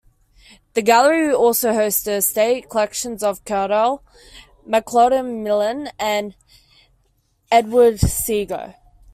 The gallery also hosts the estate collections of Cadell, Maclauchlan Milne, and Edward Seago.